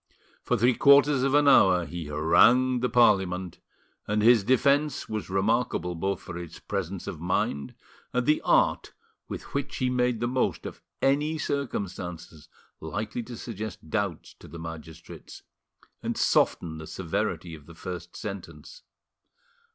For three quarters of an hour he harangued the Parliament, and his defence was remarkable both for its presence of mind and the art with which he made the most of any circumstances likely to suggest doubts to the magistrates and soften the severity of the first sentence.